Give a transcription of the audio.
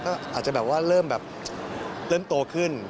ก็อาจจะแบบว่าเริ่มโตขึ้น